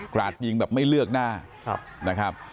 ราดยิงแบบไม่เลือกหน้านะครับ